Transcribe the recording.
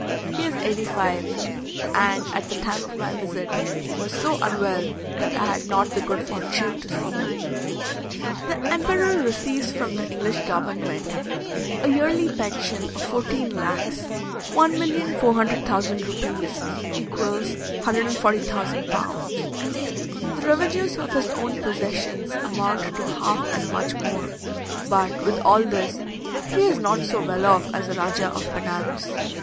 He is eighty five, and at the time of my visit was so unwell, that I had not the good fortune to see him. The emperor receives from the English government a yearly pension of fourteen lacs (1,400,000 rupees = 140,000 pounds). The revenues of his own possessions amount to half as much more; but with all this, he is not so well off as the Rajah of Benares.